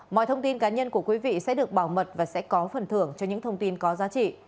mọi thông tin cá nhân của quý vị sẽ được bảo mật và sẽ có phần thưởng cho những thông tin có giá trị